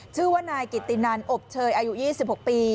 ชื่อว่านายกิตินันอบเชยอายุ๒๖ปี